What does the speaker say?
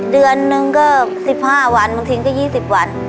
เดือนนึงก็๑๕วันบางทีก็๒๐วัน